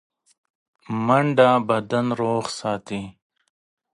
منډه بدن روغ ساتي